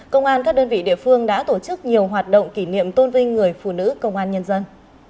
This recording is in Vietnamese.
công an các đơn vị địa phương đã tổ chức nhiều hoạt động kỷ niệm tôn vinh người phụ nữ công an nhân dân